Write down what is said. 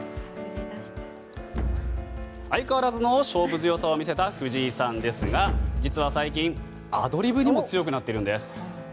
相変わらずの勝負強さを見せた藤井さんですが実は最近、アドリブにも強くなっているんです。